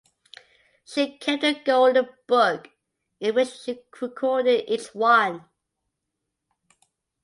She kept a golden book in which she recorded each one.